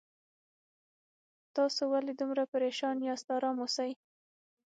تاسو ولې دومره پریشان یاست آرام اوسئ